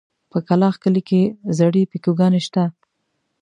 په کلاخ کلي کې زړې پيکوگانې شته.